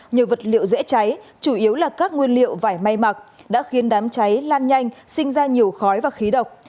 nhiều vật liệu dễ cháy chủ yếu là các nguyên liệu vải may mặc đã khiến đám cháy lan nhanh sinh ra nhiều khói và khí độc